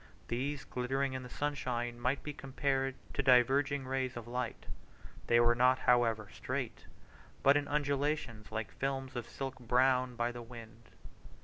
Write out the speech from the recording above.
These, glittering in the sunshine, might be compared to diverging rays of light; they were not, however, straight, but in undulations like films of silk blown by the wind.